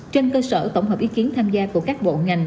trên cơ sở tổng hợp ý kiến tham gia của các bộ ngành